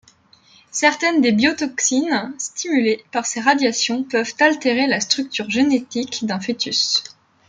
Certaines des biotoxines stimulées par ces radiations peuvent altérer la structure génétique d'un fœtus.